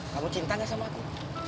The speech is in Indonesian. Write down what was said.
kamu cinta gak sama aku